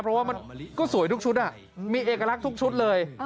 เพราะว่ามันก็สวยทุกชุดมีเอกลักษณ์ทุกชุดเลย